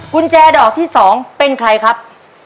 กุญแจดอกที่๒เป็นใครครับ